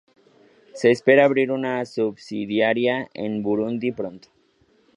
Se espera abrir una subsidiaria en Burundi pronto.